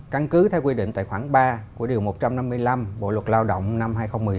căn cứ theo quy định tài khoản ba của điều một trăm năm mươi năm bộ luật lao động năm hai nghìn một mươi bốn